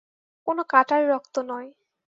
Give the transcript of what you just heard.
কোনো কাটার রক্ত নয়।